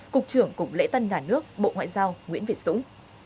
cục trưởng cục lễ tân nhà nước bộ ngoại giao nguyễn việt dũng